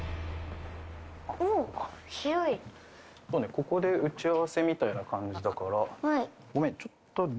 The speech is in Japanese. ここで打ち合わせみたいな感じだから。